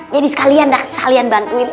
jadi sekalian dah sekalian bantuin